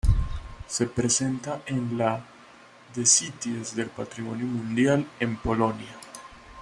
Se presenta en la de sitios del patrimonio mundial en Polonia.